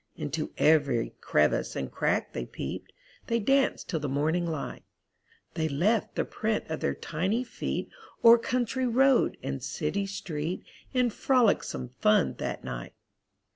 Into every crevice and crack they peeped, They danced till the morning light; They left the print of their tiny feet O'er country road and city street, In frolicsome fun that night.